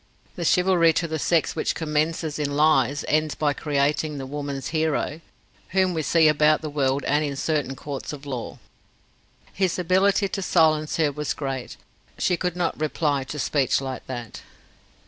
"The chivalry to the sex which commences in lies ends by creating the woman's hero, whom we see about the world and in certain courts of law." His ability to silence her was great: she could not reply to speech like that.